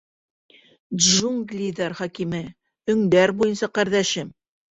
Джунглиҙар хакимы, өңдәр буйынса ҡәрҙәшем!